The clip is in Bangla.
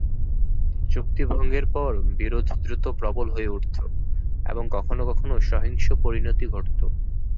চুক্তি ভঙ্গের পর বিরোধ দ্রুত প্রবল হয়ে উঠত এবং কখনও কখনও সহিংস পরিণতি ঘটত।